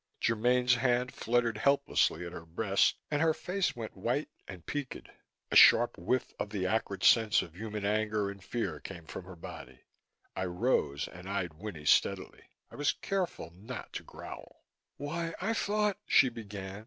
Germaine's hand fluttered helplessly at her breast and her face went white and peaked. A sharp whiff of the acrid sense of human anger and fear came from her body. I rose and eyed Winnie steadily. I was careful not to growl. "Why, I thought " she began.